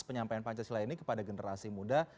penyampaian pancasila ini kepada generasi muda